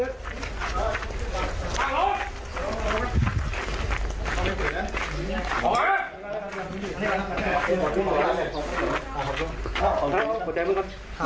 ตั้งเป็นผู้ชายล่างการอะไรมั้ยครับ